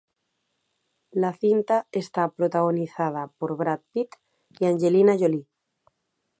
La cinta está protagonizada por Brad Pitt y Angelina Jolie.